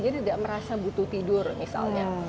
jadi dia tidak merasa butuh tidur misalnya